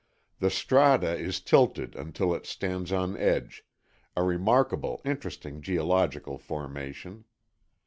The strata is tilted until it stands on edge, a remarkable, interesting geological formation.